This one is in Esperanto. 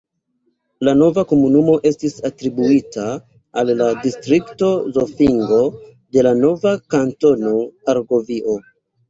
La nova komunumo estis atribuita al la distrikto Zofingo de la nova Kantono Argovio.